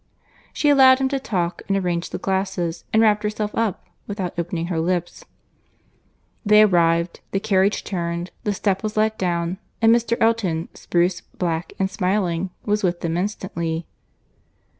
She allowed him to talk, and arranged the glasses, and wrapped herself up, without opening her lips. They arrived, the carriage turned, the step was let down, and Mr. Elton, spruce, black, and smiling, was with them instantly.